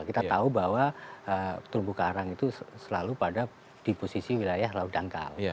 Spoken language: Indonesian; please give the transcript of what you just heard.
kita tahu bahwa tumbuh karang itu selalu pada di posisi wilayah laut dangkal